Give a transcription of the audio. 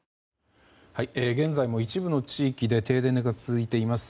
現在も一部の地域で停電が続いています。